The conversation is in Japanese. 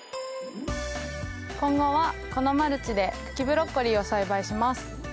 今後はこのマルチで茎ブロッコリーを栽培します。